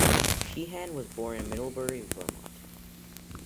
Sheehan was born in Middlebury, Vermont.